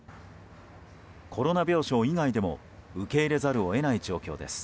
コロナ病床以外でも受け入れざるを得ない状況です。